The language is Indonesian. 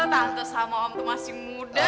tante sama om itu masih muda